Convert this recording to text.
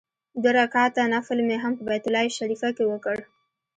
دوه رکعاته نفل مې هم په بیت الله شریفه کې وکړ.